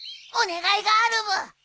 お願いがあるブー。